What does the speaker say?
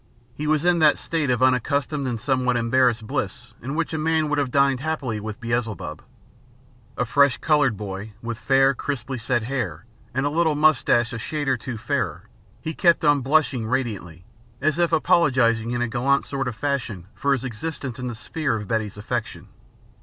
He was in that state of unaccustomed and somewhat embarrassed bliss in which a man would have dined happily with Beelzebub. A fresh coloured boy, with fair crisply set hair and a little moustache a shade or two fairer, he kept on blushing radiantly, as if apologising in a gallant sort of fashion for his existence in the sphere of Betty's affection.